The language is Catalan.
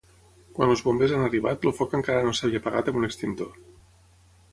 Quan els Bombers han arribat el foc encara no s'havia apagat amb un extintor.